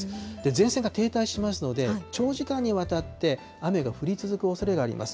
前線が停滞しますので、長時間にわたって雨が降り続くおそれがあります。